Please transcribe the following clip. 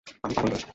আমি পাগল নই।